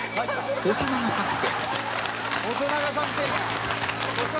細長作戦！」